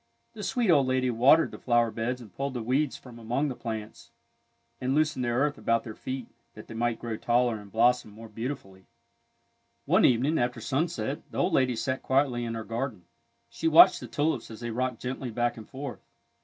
The sweet old lady watered the flower beds and puUed the weeds from among the plants, and loosened the earth about their feet that they might grow taller and blossom more beautifully. A TULIP STORY 33 One evening after simset, the old lady sat quietly in her garden. She watched the tulips as they rocked gently back and forth.